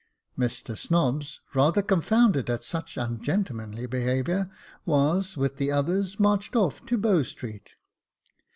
Mr Snobbs, rather confounded at such ungentlemanly behaviour, was, with the others, marched off to Bow Street.